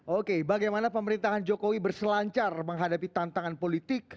oke bagaimana pemerintahan jokowi berselancar menghadapi tantangan politik